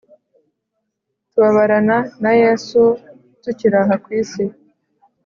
Tubabarana na Yesu, Tukir' aha mw isi.